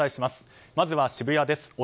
まずは渋谷です。